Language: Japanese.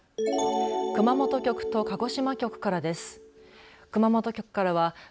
熊本局と鹿児島局からです。